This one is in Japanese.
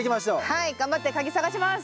はい頑張って鍵探します！